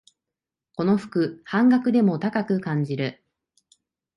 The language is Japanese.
この服、半額でも高く感じる